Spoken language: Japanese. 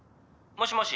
もしもし。